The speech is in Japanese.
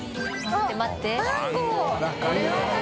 待って待って。